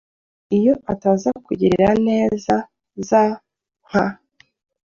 Iyo ataza kugirira neza za nka